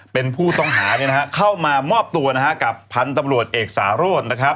เป็นผู้ต้องหาเข้ามามอบตัวกับพันธุ์ตำรวจเอกสาร่วน